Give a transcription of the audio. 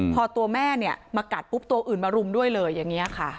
พอตัวแม่เนี่ยมากัดปุ๊บตัวอื่นมารุมด้วยเลยอย่างนี้ค่ะ